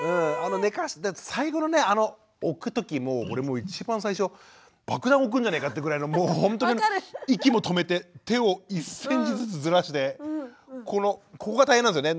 最後のねあの置くときもう俺も一番最初爆弾置くんじゃねえかってぐらいのもうほんとに息も止めて手を１センチずつずらしてこのここが大変なんですよね。